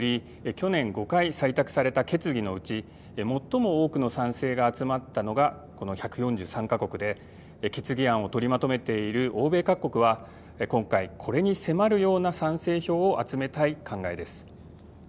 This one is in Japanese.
去年５回採択された決議のうち最も多くの賛成が集まったのがこの１４３か国で決議案を取りまとめている欧米各国は今回これに迫るような賛成票を集めたい考えです。